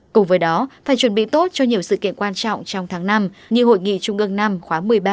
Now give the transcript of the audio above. cùng với đó phải chuẩn bị tốt cho nhiều sự kiện quan trọng trong tháng năm như hội nghị trung ương năm khóa một mươi ba